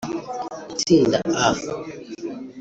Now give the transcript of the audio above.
Itsinda A